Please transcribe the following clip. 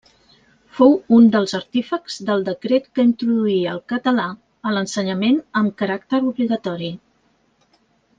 Fou un dels artífexs del decret que introduïa el català a l'ensenyament amb caràcter obligatori.